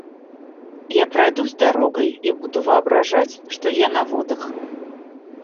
Я пройдусь дорогой и буду воображать, что я на водах.